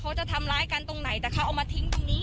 เขาจะทำร้ายกันตรงไหนแต่ทิ้งตรงนี้